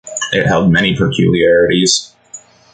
It had many peculiarities.